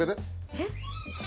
えっ？